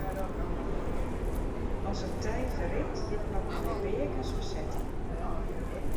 As it tij ferrint moat men de beakens fersette.